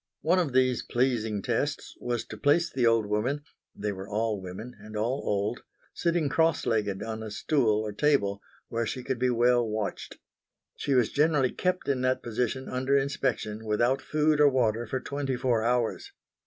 One of these pleasing "tests" was to place the old woman they were all women and all old sitting cross legged on a stool or table where she could be well watched. She was generally kept in that position under inspection, without food or water, for twenty four hours.